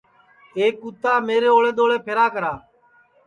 ایک کُتا میرے اوݪے دؔوݪے پھیرا کرا